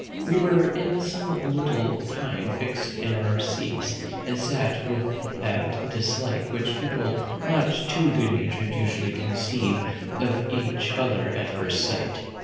We were in some little time fixed in our seats, and sat with that dislike which people not too good natured usually conceive of each other at first sight.